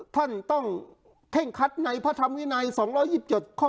ท่านต้องเท่งคัดในพระธรรมวินัยสองร้อยยิบเจ็ดข้อ